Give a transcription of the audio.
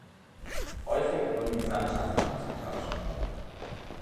Häufig wurden Gesandtschaften ausgetauscht.